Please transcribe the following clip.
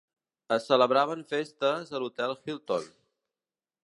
Es celebraven festes a l'hotel Hilton.